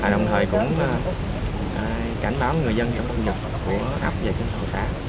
đồng thời cũng cảnh báo người dân trong phòng công dục của ấp và sinh phòng xã